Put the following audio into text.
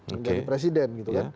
yang jadi presiden